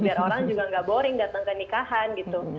biar orang juga gak boring datang ke nikahan gitu